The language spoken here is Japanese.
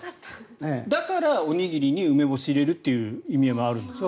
だから、おにぎりに梅干しを入れるっていう意味合いもあるんですか。